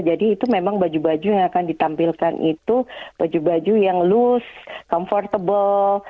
jadi itu memang baju baju yang akan ditampilkan itu baju baju yang loose comfortable